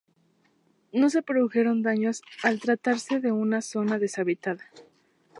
No se produjeron daños al tratarse de una zona deshabitada.